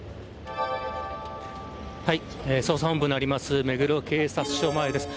捜査本部のある目黒警察署前です。